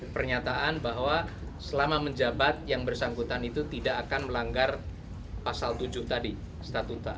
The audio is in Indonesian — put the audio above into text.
pernyataan bahwa selama menjabat yang bersangkutan itu tidak akan melanggar pasal tujuh tadi statuta